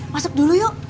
masuk dulu yuk